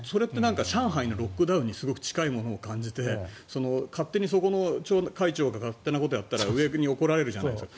上海のロックダウンに近いものを感じて町会長が勝手なことをやったら上に怒られるじゃないですか。